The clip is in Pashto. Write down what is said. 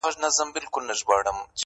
اوس به څوك رنګونه تش كي په قلم كي.!